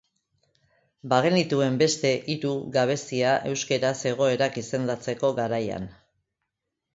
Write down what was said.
Bagenituen beste hiru gabezia euskaraz egoerak izendatzeko garaian.